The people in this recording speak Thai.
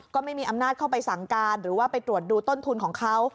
ก็ไม่มีอำนาจเข้าไปสั่งการหรือว่าไปตรวจดูต้นทุนของเขา